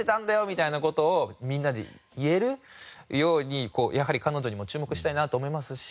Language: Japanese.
みたいな事をみんなで言えるようにやはり彼女にも注目したいなと思いますし。